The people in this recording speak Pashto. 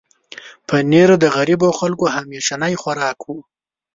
پنېر د غریبو خلکو همیشنی خوراک و.